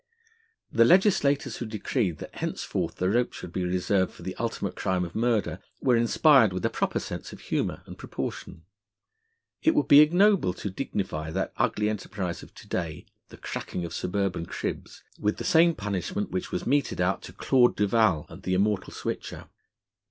The legislators who decreed that henceforth the rope should be reserved for the ultimate crime of murder were inspired with a proper sense of humour and proportion. It would be ignoble to dignify that ugly enterprise of to day, the cracking of suburban cribs, with the same punishment which was meted out to Claude Duval and the immortal Switcher.